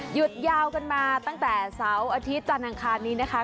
หยุดยาวกันมาตั้งแต่เสาร์อาทิตย์จันทร์อังคารนี้นะคะ